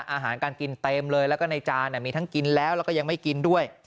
อาหารการกินเต็มเลยแล้วก็ในจานมีทั้งกินแล้วแล้วก็ยังไม่กินด้วย